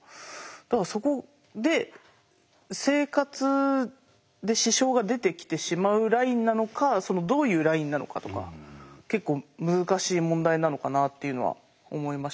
だからそこで生活で支障が出てきてしまうラインなのかそのどういうラインなのかとか結構難しい問題なのかなというのは思いましたね。